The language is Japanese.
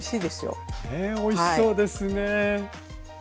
ねおいしそうですね。